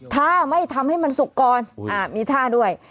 ถ้าไม่ทำให้มันสุกก่อนมีท่าด้วย